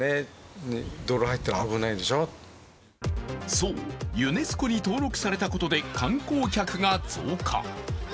そう、ユネスコに登録されたことで観光客が増加。